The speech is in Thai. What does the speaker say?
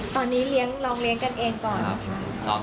ตอนนี้ลองเลี้ยงกันเองก่อนค่ะ